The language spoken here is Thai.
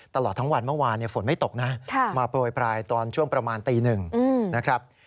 ตลอดทั้งวันเมื่อวานฝนไม่ตกนะมาโปรยปลายตอนช่วงประมาณตีหนึ่งนะครับ